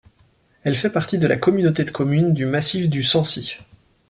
Elle fait partie de la communauté de communes du Massif du Sancy.